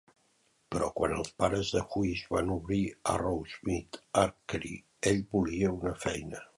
Però quan els pares de Huish van obrir Arrowsmith Archery, ell volia una feina.